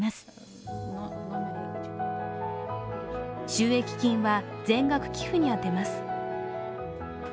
収益金は全額、寄付に充てます。